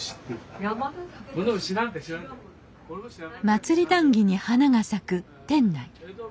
祭り談議に花が咲く店内。